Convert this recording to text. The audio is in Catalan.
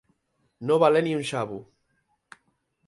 No valer ni un xavo.